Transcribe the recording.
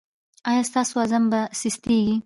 ایا ستاسو عزم به سستیږي؟